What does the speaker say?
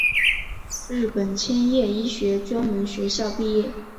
日本千叶医学专门学校毕业。